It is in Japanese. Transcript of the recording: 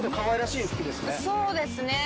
そうですね